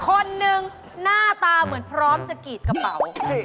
คนหนึ่งหน้าตาเหมือนพร้อมจะกรีดกระเป๋า